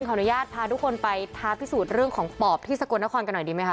ขออนุญาตพาทุกคนไปท้าพิสูจน์เรื่องของปอบที่สกลนครกันหน่อยดีไหมค